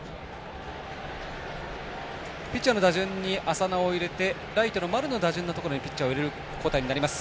ピッチャーの打順に浅野を入れてライトの丸の打順のところにピッチャーを入れる交代になります。